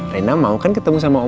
reina mau kan ketemu sama oma